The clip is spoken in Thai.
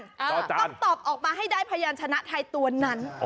ต้องตอบออกมาให้ได้พยานชนะไทยตัวนั้น